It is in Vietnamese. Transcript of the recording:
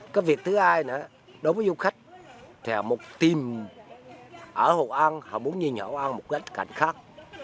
cái việc thứ hai nữa đối với du khách thì một team ở hội an họ muốn nhìn hội an một cái cảnh khác